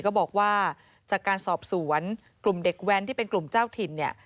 ก็บอกว่าจากการสอบสวนกลุ่มเด็กแว้นที่เป็นกลุ่มเจ้าถิ่นเนี่ย